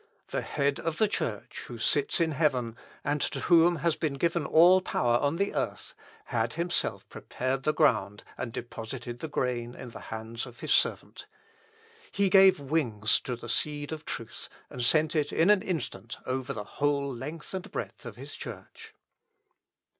The Head of the Church, who sits in heaven, and to whom has been given all power upon the earth, had himself prepared the ground, and deposited the grain in the hands of his servant. He gave wings to the seed of truth, and sent it in an instant over the whole length and breadth of his Church.